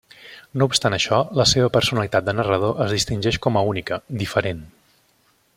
No obstant això, la seva personalitat de narrador es distingeix com a única, diferent.